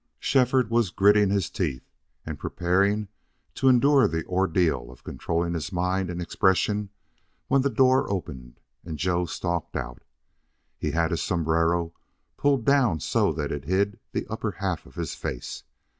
Shefford was gritting his teeth and preparing to endure the ordeal of controlling his mind and expression when the door opened and Joe stalked out. He had his sombrero pulled down so that it hid the upper half of his face.